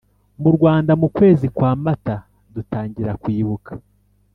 Mu Rwanda m’ukwezi kwa mata dutangira kwibuka